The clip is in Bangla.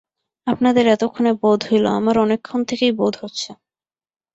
আপনাদের এতক্ষণে বোধ হল, আমার অনেকক্ষণ থেকেই বোধ হচ্ছে।